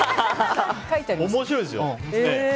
面白いですよ。